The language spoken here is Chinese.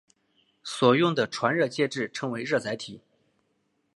所用的传热介质称为热载体。